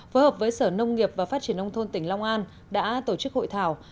phối hợp với sở nông nghiệp và phát triển nông thôn tỉnh long an đã tổ chức hội thảo